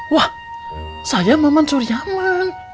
wah saya mamansu riaman